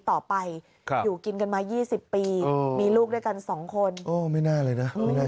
ต่อไปอยู่กินกันมา๒๐ปีมีลูกด้วยกันสองคนโอ้ไม่น่าเลยนะไม่น่า